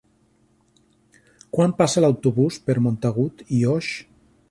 Quan passa l'autobús per Montagut i Oix?